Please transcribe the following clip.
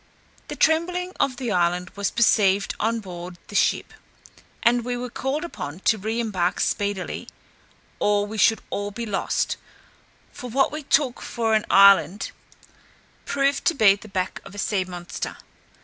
The trembling of the island was perceived on board the ship, and we were called upon to re embark speedily, or we should all be lost; for what we took for an island proved to be the back of a sea monster.